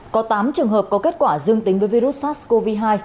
có tám trường hợp có kết quả dương tính với virus sars cov hai